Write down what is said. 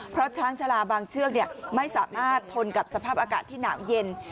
เพราะช้างชาลาบางเชือกไม่สามารถทนกับสภาพอากาศที่หนาวเย็น